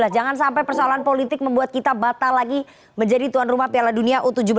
jangan sampai persoalan politik membuat kita batal lagi menjadi tuan rumah piala dunia u tujuh belas